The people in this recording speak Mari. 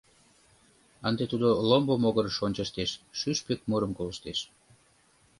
Ынде тудо ломбо могырыш ончыштеш, шӱшпык мурым колыштеш.